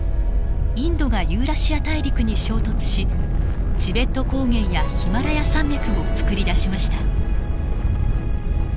インドがユーラシア大陸に衝突しチベット高原やヒマラヤ山脈をつくり出しました。